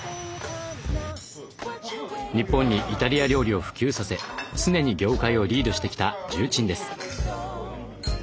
日本にイタリア料理を普及させ常に業界をリードしてきた重鎮です。